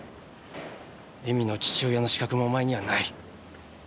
恵美の父親の資格もお前にはない。